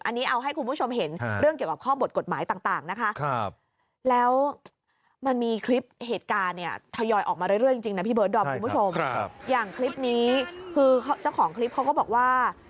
อันนี้เอาให้คุณผู้ชมเห็นเรื่องเกี่ยวกับข้อบทกฎหมายต่างนะคะ